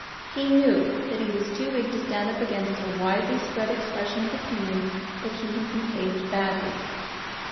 He knew that he was too weak to stand up against a widely spread expression of opinion that he had behaved badly.